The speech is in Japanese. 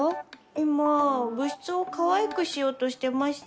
今部室をかわいくしようとしてまして。